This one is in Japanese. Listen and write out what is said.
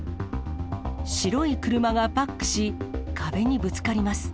白い車がバックし、壁にぶつかります。